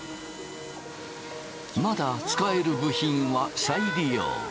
まだ使える部品は再利用。